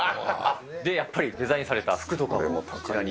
やっぱりデザインされた服とかもこちらに。